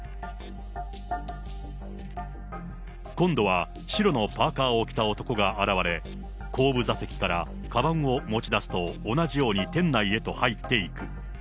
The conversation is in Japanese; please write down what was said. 今度は白のパーカーを着た男が現れ、後部座席からかばんを持ち出すと、同じように店内へと入っていく。